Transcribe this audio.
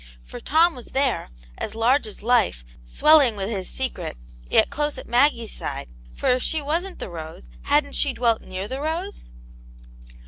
For Tom was there, as large as life, swelling with his secret, yet close at Maggie's side, for if she wasn't the rose, hadn't she dwelt near the rose